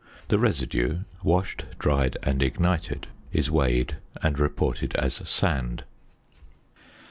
The residue (washed, dried, and ignited) is weighed, and reported as "sand."